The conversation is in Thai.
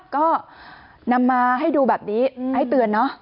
ก็นำมาให้ดูแบบนี้ให้เตือนเนอะ